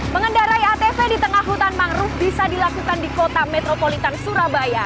mengendarai atv di tengah hutan mangrove bisa dilakukan di kota metropolitan surabaya